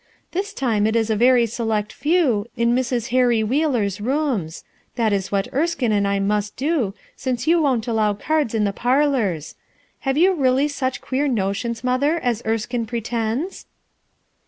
This time it is a very select few, in Mrs, Harry "Wheeler's rooms* That is what Erskine and I must do since you won't allow cards in the parlors Have you really such queer notions, mother, as Erskine pretends?"